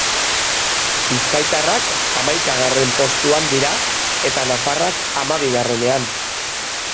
Bizkaitarrak hamaikagarren postuan dira eta nafarrak hamabigarrenean.